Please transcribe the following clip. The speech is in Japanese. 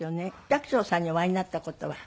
寂聴さんにお会いになった事は？